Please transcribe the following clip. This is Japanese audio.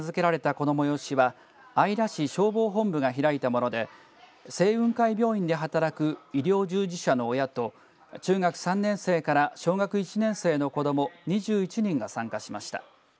この催しは姶良市消防本部が開いたもので青雲会病院で働く医療従事者の親と中学３年生から小学１年生の子ども２１人が参加しました。